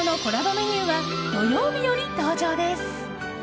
メニューは土曜日より登場です。